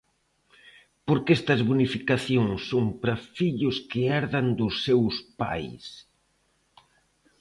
Porque estas bonificacións son para fillos que herdan dos seus pais.